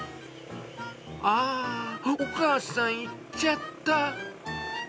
あー、お母さん行っちゃった。